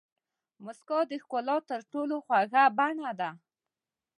موسکا د ښکلا تر ټولو خوږه بڼه ده.